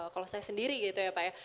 kalau saya sendiri gitu ya pak ya